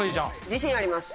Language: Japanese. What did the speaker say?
自信あります。